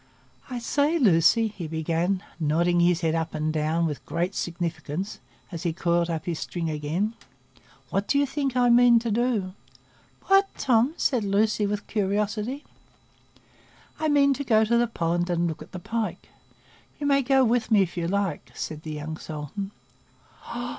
"I say, Lucy," he began, nodding his head up and down with great significance, as he coiled up his string again, "what do you think I mean to do?" "What, Tom?" said Lucy, with curiosity. "I mean to go to the pond and look at the pike. You may go with me if you like," said the young sultan.